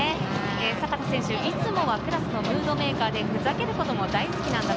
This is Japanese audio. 阪田選手、いつもはクラスのムードメーカーで、ふざけることも大好きなんだと。